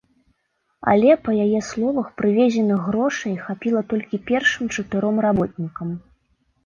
Але, па яе словах, прывезеных грошай хапіла толькі першым чатыром работнікам.